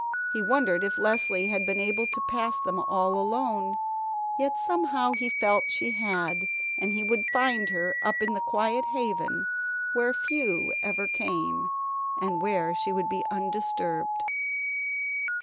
He wondered if Leslie had been able to pass them all alone, yet somehow he felt she had and he would find her up in the quiet haven where few ever came and where she would be undisturbed.